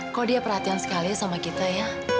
kau dia perhatian sekali ya sama kita ya